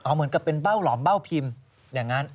เหมือนกับเป็นเบ้าหลอมเบ้าพิมพ์อย่างนั้น